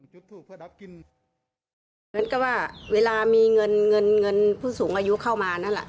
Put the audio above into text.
เหมือนกับว่าเวลามีเงินผู้สูงอายุเข้ามานั่นแหละ